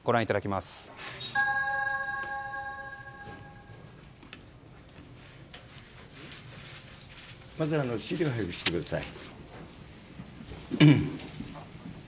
まず資料を配布してください。